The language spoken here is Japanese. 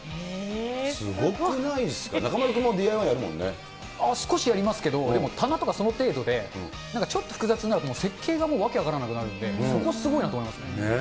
すごくないですか、ああ、少しやりますけど、でも棚とかその程度で、なんかちょっと複雑になると、設計がもう訳分からなくなるんで、そこすごいなと思いますね。